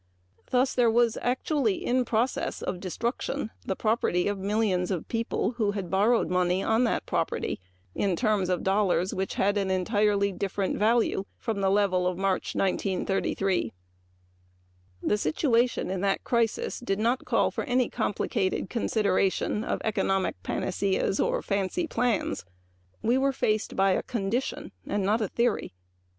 Thus there was actually in process of destruction the property of millions of people who had borrowed money on that property in terms of dollars which had had an entirely different value from the level of March, 1933. That situation in that crisis did not call for any complicated consideration of economic panaceas or fancy plans. We were faced by a condition and not a theory.